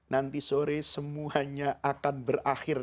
nanti sore semuanya akan berakhir